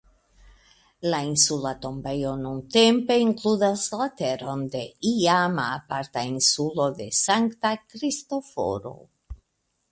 La insula tombejo nuntempe inkludas la teron de iama aparta insulo de Sankta Kristoforo.